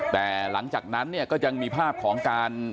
แต่หลังจากนั้นเนี่ยก็ยังมีภาพของการ